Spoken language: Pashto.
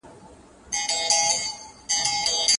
چي عقل نه لري هیڅ نه لري.